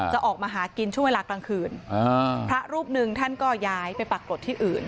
จะออกมาหากินช่วงเวลากลางคืนพระรูปหนึ่งท่านก็ย้ายไปปรากฏที่อื่น